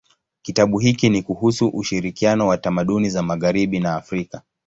Kitabu hiki ni kuhusu ushirikiano wa tamaduni za magharibi na Afrika.